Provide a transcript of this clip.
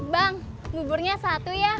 bang buburnya satu ya